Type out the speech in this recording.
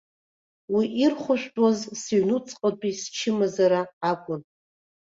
Уа ирхәышәтәуаз сыҩнуҵҟатәи счымазара акәын.